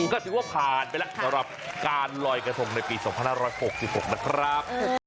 ก็ถือว่าผ่านไปแล้วสำหรับการลอยกระทงในปี๒๕๖๖นะครับ